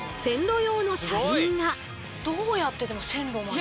どうやってでも線路まで。